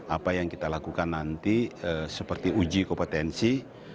apa yang kita lakukan nanti seperti uji kompetensi